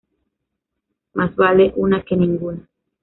Más vale una que ninguna